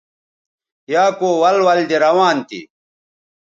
یا کو ول ول دے روان تھی